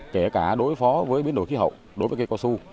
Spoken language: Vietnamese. kể cả đối phó với biến đổi khí hậu đối với cây cao su